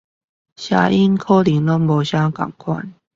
聲音可能都不太一樣